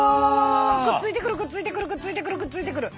くっついてくるくっついてくるくっついてくるくっついてくる。